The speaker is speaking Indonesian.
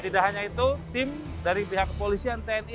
tidak hanya itu tim dari pihak kepolisian tni